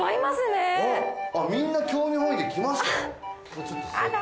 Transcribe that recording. みんな興味本位で来ました。